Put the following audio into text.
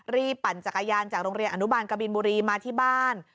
ปั่นจักรยานจากโรงเรียนอนุบาลกบินบุรีมาที่บ้าน